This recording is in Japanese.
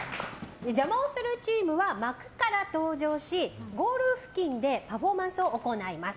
邪魔をするチームは幕から登場しゴール付近でパフォーマンスを行います。